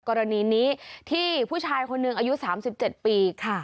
กรณีนี้ที่ผู้ชายคนหนึ่งอายุ๓๗ปีค่ะ